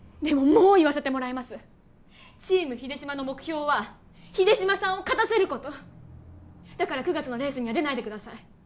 もう言わせてもらいますチーム秀島の目標は秀島さんを勝たせることだから９月のレースには出ないでください